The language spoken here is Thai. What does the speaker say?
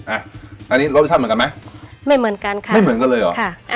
อันนี้รสชาติเหมือนกันไหมไม่เหมือนกันค่ะไม่เหมือนกันเลยเหรอค่ะ